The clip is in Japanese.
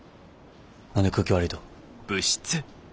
何で空気悪いと。